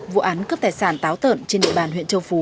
vụ án cướp tài sản táo tợn trên địa bàn huyện châu phú